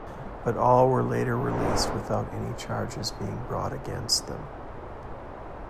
But all were later released without any charges being brought against them.